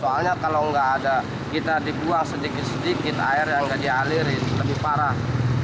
soalnya kalau nggak ada kita dibuang sedikit sedikit air yang nggak dialirin lebih parah